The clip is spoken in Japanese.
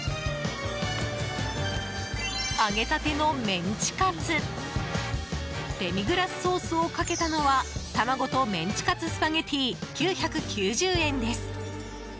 揚げたてのメンチカツデミグラスソースをかけたのは卵とメンチカツスパゲティ９９０円です。